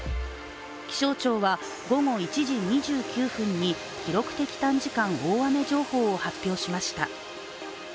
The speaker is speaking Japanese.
気象庁は午後１時２９分に記録的短時間大雨情報を発表しました。